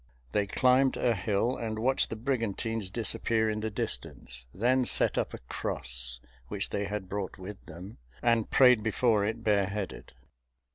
They climbed a hill and watched the brigantines disappear in the distance; then set up a cross, which they had brought with them, and prayed before it bareheaded.